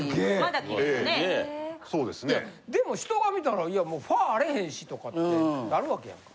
でも人が見たらいやもうファーあれへんしとかってなるわけやんか。